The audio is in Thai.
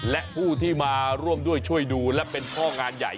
และผู้ที่มาร่วมด้วยช่วยดูและเป็นพ่องานใหญ่